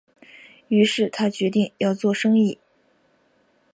於是他决定要做生意